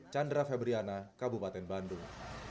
chandra febriana kabupaten bandung